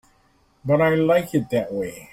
But I like it that way.